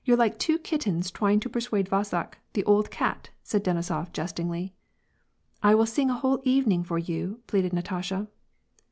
You're like two kittens twying to persuade Vaska, the old cat," said Denisof, jestingly. "I will sing a whole evening for you," pleaded Natasha.